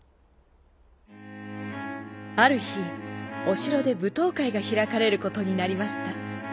あるひおしろでぶとうかいがひらかれることになりました。